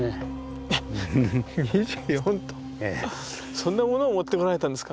そんなものを持ってこられたんですか。